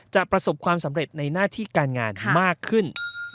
ประสบความสำเร็จในหน้าที่การงานมากขึ้น